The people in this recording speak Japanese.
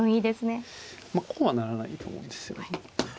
まあこうはならないと思うんですよね。